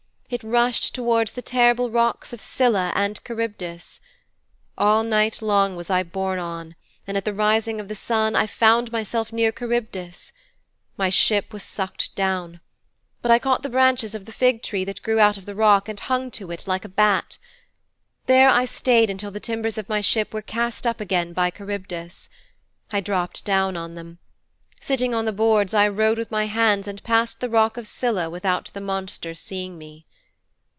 It rushed towards the terrible rocks of Scylla and Charybdis. All night long I was borne on, and, at the rising of the sun? I found myself near Charybdis. My ship was sucked down. But I caught the branches of the fig tree that grew out of the rock and hung to it like a bat. There I stayed until the timbers of my ship were cast up again by Charybdis. I dropped down on them. Sitting on the boards I rowed with my hands and passed the rock of Scylla without the monster seeing me.'